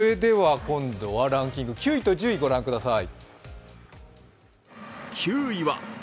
本気だね、これはね。今度はランキング９位と１０位ご覧ください。